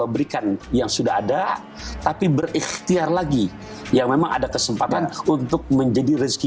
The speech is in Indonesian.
berikan yang sudah ada tapi berikhtiar lagi yang memang ada kesempatan untuk menjadi rezeki